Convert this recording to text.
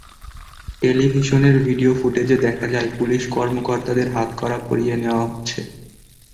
টেলিভিশনের ভিডিও ফুটেজে দেখা যায়, পুলিশ কর্মকর্তাদের হাতকড়া পরিয়ে নেওয়া হচ্ছে।